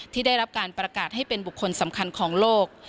ที่ได้รับการประกาศให้เป็นบุคคลสำคัญของโลก